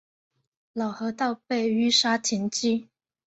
老河道被淤沙填积。